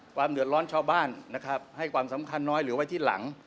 ความเหนือร้อนชาวบ้านให้ความสำคัญน้อยหรือไว้ที่หลัง